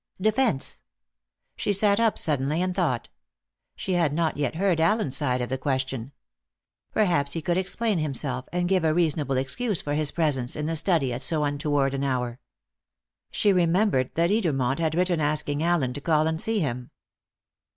Defence! She sat up suddenly and thought. She had not yet heard Allen's side of the question. Perhaps he could explain himself, and give a reasonable excuse for his presence in the study at so untoward an hour. She remembered that Edermont had written asking Allen to call and see him.